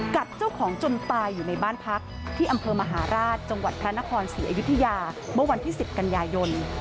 กัดเจ้าของจนตายอยู่ในบ้านพักที่อำเภอมหาราชจังหวัดพระนครศรีอยุธยาเมื่อวันที่๑๐กันยายน